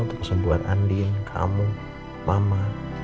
untuk bisa buat andin kamu mama